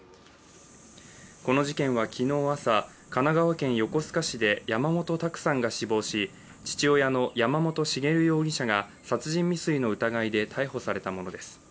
この事件は昨日朝、神奈川県横須賀市で山本卓さんが死亡し父親の山本茂容疑者が殺人未遂の疑いで逮捕されたものです。